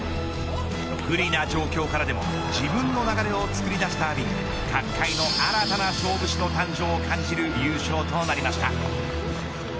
不利な状況からでも自分の流れを作り出した阿炎角界の新たな勝負師の誕生を感じる優勝となりました。